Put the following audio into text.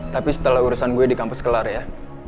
tapi setelah urusan gue di kampus kelar ya